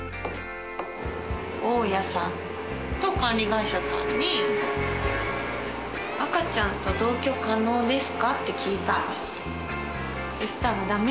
大家さんと管理会社さんに赤ちゃんと同居可能ですか？って聞いたんです。